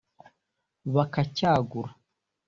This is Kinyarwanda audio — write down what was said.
bakacyagura